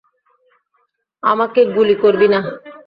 আমাকে গুলি করবি না!